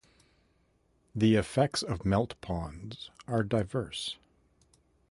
The effects of melt ponds are diverse.